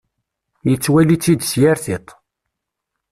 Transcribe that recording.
Yettwali-tt-id s yir tiṭ.